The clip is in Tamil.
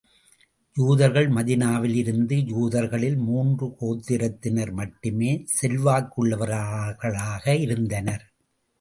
யூதர்கள் மதீனாவில் இருந்த யூதர்களில், மூன்று கோத்திரத்தினர் மட்டுமே செல்வாக்குள்ளவர்களாக இருந்தனர்.